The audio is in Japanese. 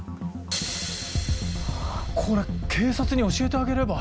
これ警察に教えてあげれば。